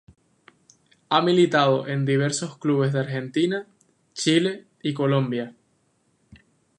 Ha militado en diversos clubes de Argentina, Chile y Colombia.